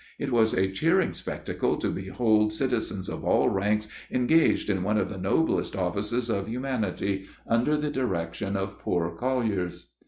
It was a cheering spectacle to behold citizens of all ranks engaged in one of the noblest offices of humanity, under the direction of poor colliers.